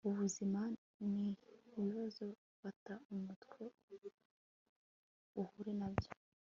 ubuzima nibibazo .. fata umutwe uhure nabyo